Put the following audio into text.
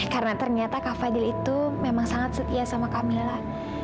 karena ternyata kak fadil itu memang sangat setia sama kamila